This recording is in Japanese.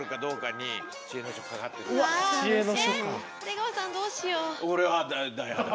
えっ出川さんどうしよう。